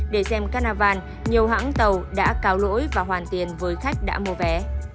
để xem carnaval nhiều hãng tàu đã cào lỗi và hoàn tiền với khách đã mua vé